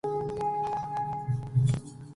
Los adultos tienen un pico marcado.